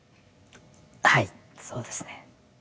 はいそうですね。